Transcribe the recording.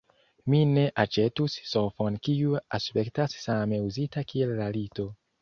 Mi ne aĉetus sofon kiu aspektas same uzita kiel la lito.